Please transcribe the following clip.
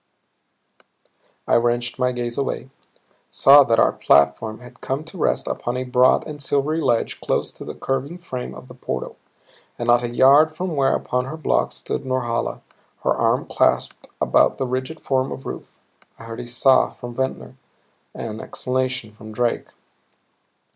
I wrenched my gaze away; saw that our platform had come to rest upon a broad and silvery ledge close to the curving frame of the portal and not a yard from where upon her block stood Norhala, her arm clasped about the rigid form of Ruth. I heard a sigh from Ventnor, an exclamation from Drake.